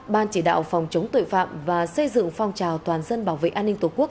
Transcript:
ban chỉ đạo phòng chống tội phạm và xây dựng phong trào toàn dân bảo vệ an ninh tổ quốc